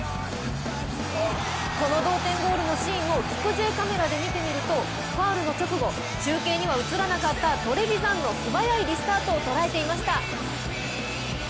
この同点ゴールのシーンをキクＪＣＡＭで見てみるとファウルの直後、中継には映らなかったトレヴィザンの素早いリスタートを捉えていました。